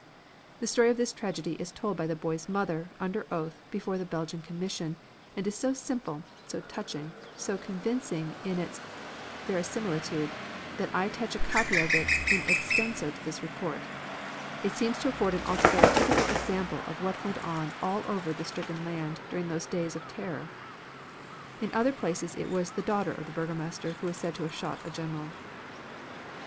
The story of this tragedy is told by the boy's mother, under oath, before the Belgian Commission, and is so simple, so touching, so convincing in its verisimilitude, that I attach a copy of it in extenso to this report. It seems to afford an altogether typical example of what went on all over the stricken land during those days of terror. (In other places it was the daughter of the burgomaster who was said to have shot a general.)